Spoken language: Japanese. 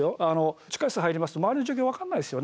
地下室入りますと周りの状況分かんないですよね。